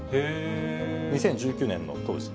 ２０１９年の当時。